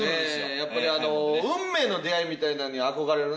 やっぱり運命の出会いみたいなのに憧れるな。